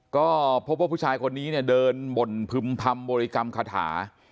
ก็พวกพวกผู้ชายคนนี้เนี้ยเดินบนพรมพรรมบริกรรมคาถา